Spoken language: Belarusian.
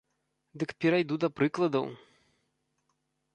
Дык перайду да прыкладаў!